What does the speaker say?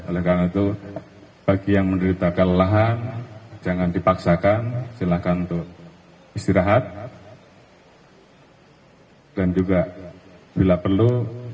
oleh karena itu bagi yang menderita kelelahan jangan dipaksakan silakan untuk istirahat dan juga bila perlu